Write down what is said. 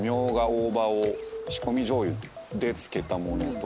大葉を仕込みじょうゆで漬けた物とか。